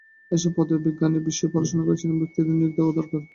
এসব পদে বিজ্ঞান বিষয়ে পড়াশোনা করেছেন এমন ব্যক্তিদের নিয়োগ দেওয়ার কথা।